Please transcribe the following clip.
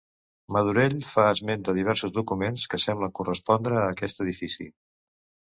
Madurell fa esment de diversos documents que semblen correspondre a aquest edifici.